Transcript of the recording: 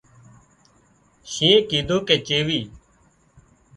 شينهنئي ڪيڌون ڪي چيوي